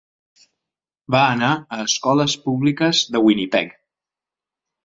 Va anar a escoles públiques de Winnipeg.